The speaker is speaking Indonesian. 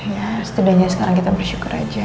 ya setidaknya sekarang kita bersyukur aja